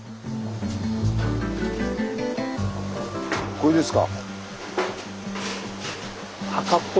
これですか。